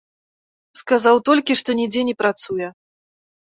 Сказаў толькі, што нідзе не працуе.